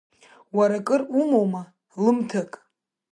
Уара кыр умоума лымҭак…